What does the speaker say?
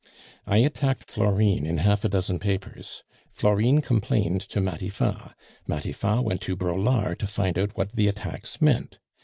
"I attacked Florine in half a dozen papers. Florine complained to Matifat. Matifat went to Braulard to find out what the attacks meant.